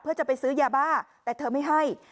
เพื่อจะไปซื้อยาบ้าแต่เธอไม่ให้